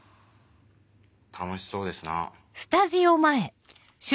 楽しそうですな。